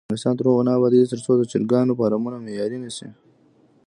افغانستان تر هغو نه ابادیږي، ترڅو د چرګانو فارمونه معیاري نشي.